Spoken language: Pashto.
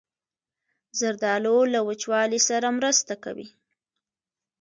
زردالو له وچوالي سره مرسته کوي.